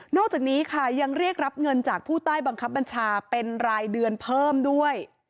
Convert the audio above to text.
อกจากนี้ค่ะยังเรียกรับเงินจากผู้ใต้บังคับบัญชาเป็นรายเดือนเพิ่มด้วย